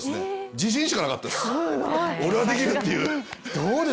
自信しかなかったです。